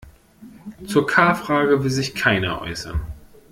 Zur K-Frage will sich keiner äußern.